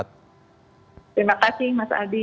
terima kasih mas adi